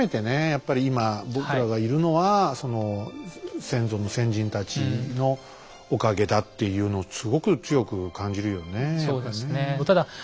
やっぱり今僕らがいるのはその先祖の先人たちのおかげだっていうのをすごく強く感じるよねやっぱりね。